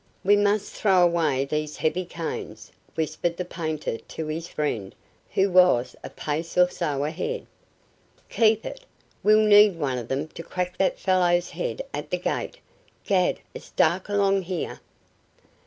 "We must throw away these heavy canes," whispered the painter to his friend, who was a pace or so ahead. "Keep it! We'll need one of them to crack that fellow's head at the gate. 'Gad, it's dark along here!"